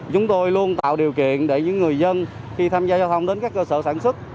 chúng tôi luôn tạo điều kiện để những người dân khi tham gia giao thông đến các cơ sở sản xuất